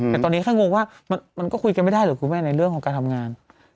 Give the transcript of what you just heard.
แต่ตอนนี้แค่งงว่ามันก็คุยกันไม่ได้หรือคุณแม่ในเรื่องของการทำงาน